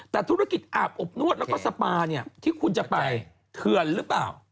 แต่ธุรกิจอาบอบนวดแล้วก็สปาเนี่ยที่คุณจะไปเถื่อนหรือเปล่า